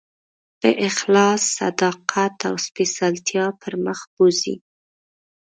په اخلاص، صداقت او سپېڅلتیا پر مخ بوځي.